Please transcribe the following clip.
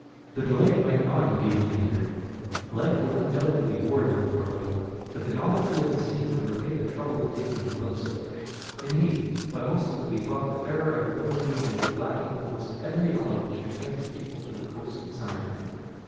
The delight might not indeed 218 SEASIDE EFFECTS. linger. Life would undoubtedly bore them after a little, but the novelty of the scene would repay the trouble of taking a glimpse of it. Indeed, by most it would be thought the fairer and the more engaging for lacking almost every element which entices people to the coast in summer time.